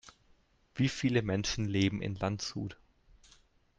Wie viele Menschen leben in Landshut?